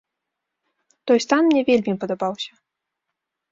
Той стан мне вельмі падабаўся.